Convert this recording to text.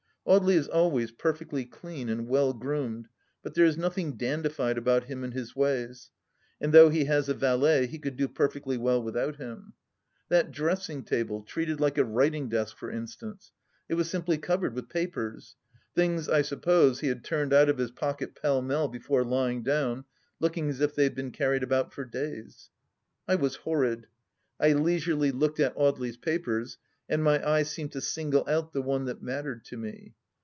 Audely is always perfectly clean and well groomed, but there is nothing dandified about him and his ways; and though he has a valet he could do perfectly well without him. ... That dressing table, treated like a writing desk, for instance !... It was simply covered with papers — things, I suppose, he had turned out of his pocket pell mell before lying down, looking as if they had been carried about for days. ... I was horrid. I leisurely looked at Audely's papers, and my eye seemed to single out the one that mattered to me.